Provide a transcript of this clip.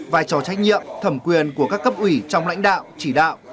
vai trò trách nhiệm thẩm quyền của các cấp ủy trong lãnh đạo chỉ đạo